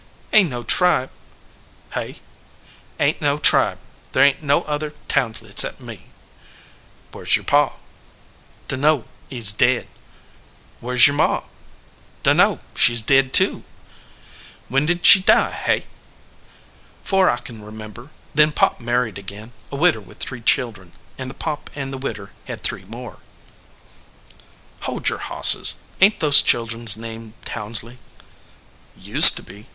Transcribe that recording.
"Ain t no tribe." "Hey?" "Ain t no tribe. There ain t no other Townsley cept me." "Where s your pa?" no THE FLOWERING BUSH "Dunno. He s dead." "Where s your ma?" "Dunno. She s dead, too." "When did she die, hey?" " Fore I can remember ; then Pop married again, a widder with three children, and then Pop and the widder had three more " "Hold your hosses. Ain t those children s name Townsley?" "Used to be.